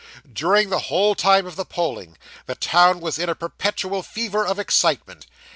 During the whole time of the polling, the town was in a perpetual fever of excitement.